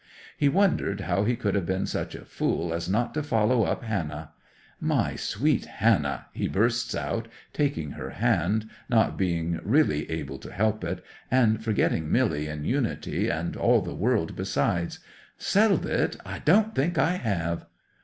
He wondered how he could have been such a fool as not to follow up Hannah. "My sweet Hannah!" he bursts out, taking her hand, not being really able to help it, and forgetting Milly and Unity, and all the world besides. "Settled it? I don't think I have!"